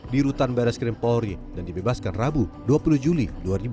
di rutan baris krim polri dan dibebaskan rabu dua puluh juli dua ribu dua puluh